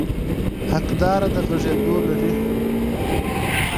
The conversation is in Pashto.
حقداره د غږېدو لري.